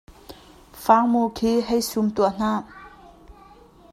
Fangmu khi hei sum tuah hna.